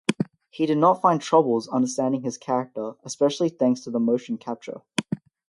He did not find troubles understanding his character especially thanks to the motion capture.